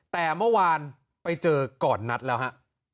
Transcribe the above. แต่เมื่อวานไปเจอก่อนนัดแล้วฮะ